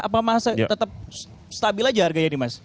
atau masih tetap stabil aja harganya nih mas